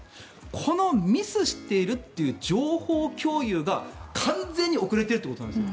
このミスしているという情報共有が完全に遅れているということなんです。